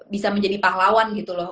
bisa menjadi pahlawan gitu loh